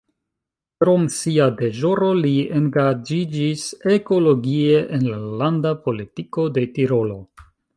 Krom sia deĵoro li engaĝiĝis ekologie en la landa politiko de Tirolo.